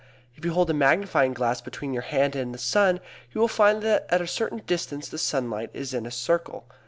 If you hold a magnifying glass between your hand and the sun you will find that at a certain distance the sunlight is in a circle.